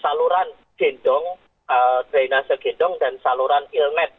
saluran gendong drainase gendong dan saluran ilmet